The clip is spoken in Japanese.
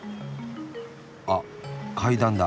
あっ階段だ。